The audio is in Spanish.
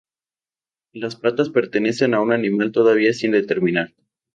Las patas pertenecen a un animal todavía sin determinar.